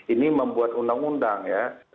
ini membuat undang undang ya